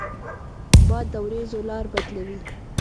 باد د ورېځو لاره بدلوي